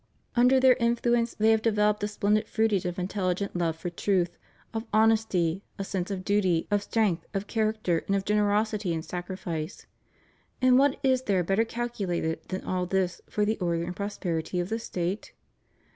Under their influence they developed a splendid fruitage of intelligent love for truth, of honesty, a sense of duty, of strength, of character, and of generosity in sacrifice. And what is there better calculated than all this for the order and prosperity of the State?